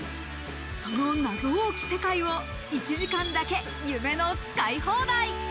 その謎多き世界を１時間だけ、夢の使い放題。